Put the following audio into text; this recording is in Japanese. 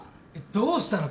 どうしたの？